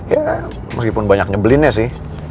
ya meskipun banyak nyebelinnya sih